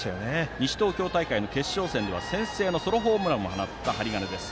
西東京大会の決勝戦では先制のソロホームランも放った針金です。